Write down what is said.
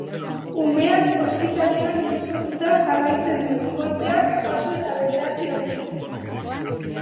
Umeak ospitalean ingresatuta jarraitzen du kolpeak jaso eta bederatzi egunera.